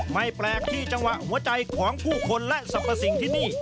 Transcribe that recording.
ไม่แปลกที่จังหวะหัวใจของผู้คนและสรรพสิ่งที่นี่